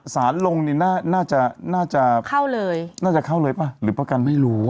สารลงนี่น่าจะเข้าเลยป่ะหรือประกันไม่รู้